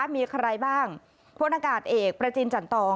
มีใครบ้างพล